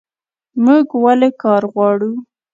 موږ ولې کار غواړو؟